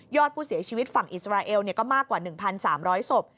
ผู้เสียชีวิตฝั่งอิสราเอลก็มากกว่า๑๓๐๐ศพ